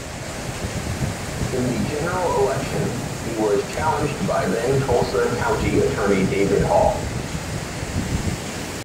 In the general election, he was challenged by then-Tulsa County Attorney David Hall.